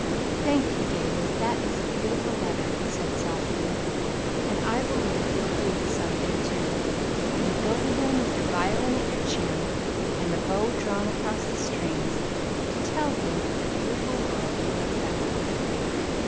"Thank you, David. That is a beautiful letter," he said softly. "And I believe you'll do it some day, too. You'll go to him with your violin at your chin and the bow drawn across the strings to tell him of the beautiful world you have found."